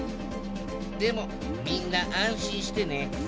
でもみんな安心してね。